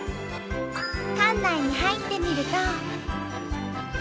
館内に入ってみると。